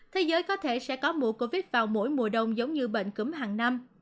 thế giới có thể sẽ có mùa covid vào mỗi mùa đông giống như bệnh cúm hàng năm